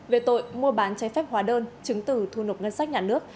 về tội mua bán trái phép hóa đơn chứng từ thu nộp ngân sách nhà nước